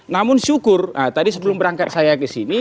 namun syukur tadi sebelum berangkat saya ke sini